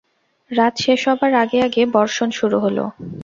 রাত শেষ হবার আগে-আগে বর্ষণ শুরু হলো।